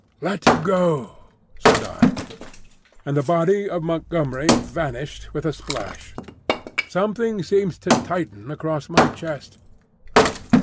"Let go," said I; and the body of Montgomery vanished with a splash. Something seemed to tighten across my chest.